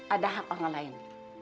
ada hak orang lain